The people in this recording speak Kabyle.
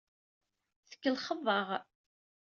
Tkellxeḍ-aɣ.